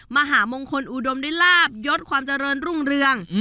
มหามงคลอุดมด้วยลาบยศความเจริญรุ่งเรือง